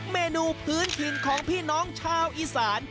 เมนูพื้นถิ่นของพี่น้องชาวอีสาน